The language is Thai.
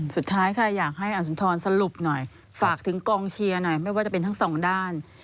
สุดท้ายค่ะอยากให้อสุนทรสรุปหน่อยฝากถึงกองเชียร์หน่อยไม่ว่าจะเป็นทั้งสองด้าน